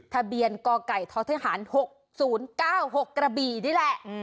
ทะเบียนกไก่ททหาร๖๐๙๖กระบี่นี่แหละ